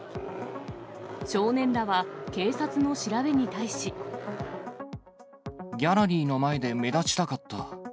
少年らは、警察の調べに対し。ギャラリーの前で目立ちたかった。